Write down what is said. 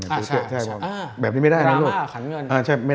ดราม่าขัดเงิน